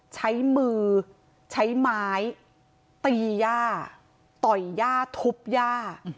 ใช้มือใช้ไม้ตีย่าต่อยย่าทุบย่า